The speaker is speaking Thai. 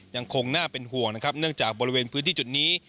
ยังคงน่าเป็นห่วงนะครับเนื่องจากบริเวณพื้นที่จุดนี้